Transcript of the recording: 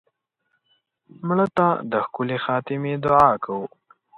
مړه ته د ښکلې خاتمې دعا کوو